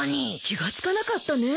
気が付かなかったね。